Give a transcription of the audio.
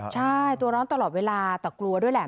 ใช่ตัวร้อนตลอดเวลาแต่กลัวด้วยแหละ